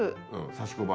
刺し子針。